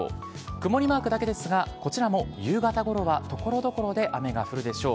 曇りマークだけですが、こちらも夕方ごろは、ところどころで雨が降るでしょう。